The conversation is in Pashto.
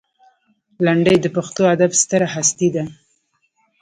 لنډۍ د پښتو ادب ستره هستي ده.